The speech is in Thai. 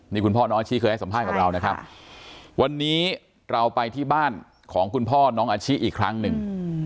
นี่คุณพ่อน้องอาชิเคยให้สัมภาษณ์กับเรานะครับวันนี้เราไปที่บ้านของคุณพ่อน้องอาชิอีกครั้งหนึ่ง